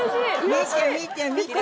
見て見て見て。